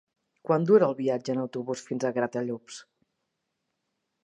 Quant dura el viatge en autobús fins a Gratallops?